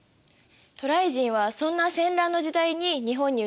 渡来人はそんな戦乱の時代に日本に移ってきたってことだよね？